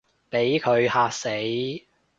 畀佢嚇死